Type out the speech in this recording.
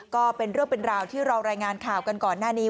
ก็เป็นเรื่องเป็นราวที่เรารายงานข่าวกันก่อนหน้านี้